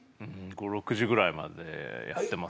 ５６時ぐらいまでやってます。